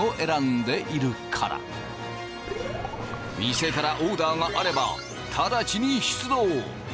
店からオーダーがあれば直ちに出動！